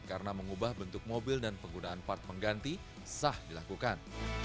karena mengubah bentuk mobil dan penggunaan part pengganti sah dilakukan